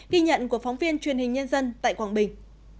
ghi nhận của phóng viên truyền hình nhân dân tại quảng bình